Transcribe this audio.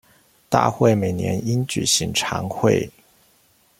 大會每年應舉行常會